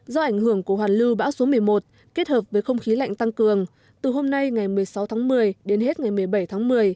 do ảnh hưởng của hoàn lưu bão số một mươi một kết hợp với không khí lạnh tăng cường từ hôm nay ngày một mươi sáu tháng một mươi đến hết ngày một mươi bảy tháng một mươi